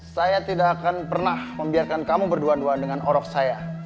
saya tidak akan pernah membiarkan kamu berdua dua dengan orok saya